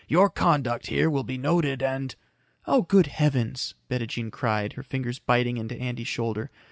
Your conduct here will be noted and " "Oh, good heavens!" Bettijean cried, her fingers biting into Andy's shoulder.